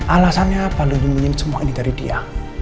alasannya apa lo nyembunyiin semua ini dari dia